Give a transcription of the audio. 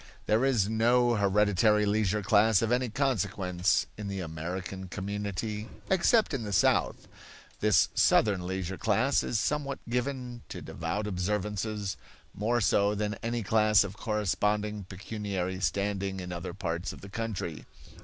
There is no hereditary leisure class of any consequence in the American community, except in the South. This Southern leisure class is somewhat given to devout observances; more so than any class of corresponding pecuniary standing in other parts of the country.